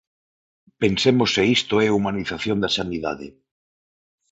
Pensemos se isto é humanización da sanidade.